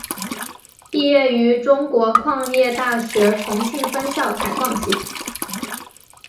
毕业于中国矿业大学重庆分校采矿系。